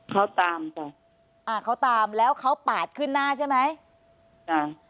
เขาตามจ้ะอ่าเขาตามแล้วเขาปาดขึ้นหน้าใช่ไหมจ้ะ